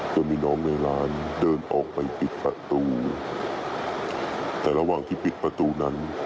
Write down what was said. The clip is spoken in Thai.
ก็มีน้องในร้านเดินออกไปปิดประตูแต่ระหว่างที่ปิดประตูนั้น